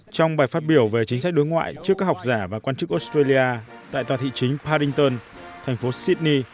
trong bài phát biểu về chính sách đối ngoại trước các học giả và quan chức australia tại tòa thị chính parington thành phố sydney